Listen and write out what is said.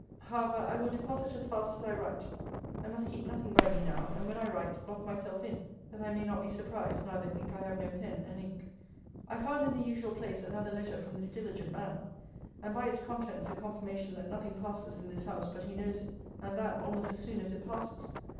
However, I will deposit as fast as I write. I must keep nothing by me now; and when I write, lock myself in, that I may not be surprised now they think I have no pen and ink. I found in the usual place another letter from this diligent man: and, by its contents, a confirmation that nothing passes in this house but he knows it; and that almost as soon as it passes.